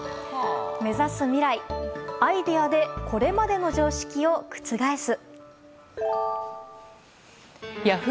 目指す未来、アイデアでこれまでの常識を覆す。